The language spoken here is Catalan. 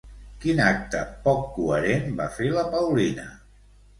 Quin acte poc coherent va fer la Paulina?